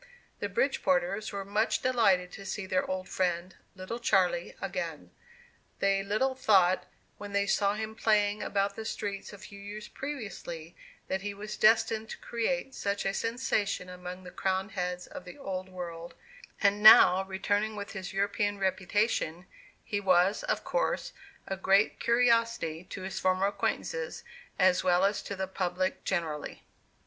The Bridgeporters were much delighted to see their old friend, "little Charlie," again. They little thought, when they saw him playing about the streets a few years previously, that he was destined to create such a sensation among the crowned heads of the old world; and now, returning with his European reputation, he was, of course, a great curiosity to his former acquaintances, as well as to the public generally.